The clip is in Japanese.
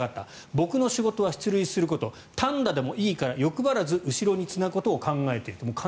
僕の仕事は出塁すること単打でもいいから欲張らず後ろにつなぐことを考えている。